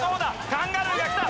カンガルーが来た。